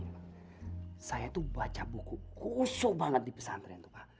jadi saya tuh baca buku kusuk banget di pesantren tuh pak